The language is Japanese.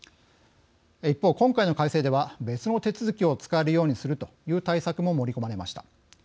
一方、今回の改正では別の手続きを使えるようにするという対策も盛り込まれました。